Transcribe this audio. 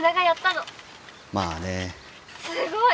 「すごい！